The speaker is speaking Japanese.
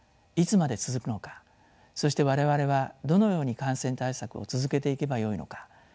いつまで続くのかそして我々はどのように感染対策を続けていけばよいのか。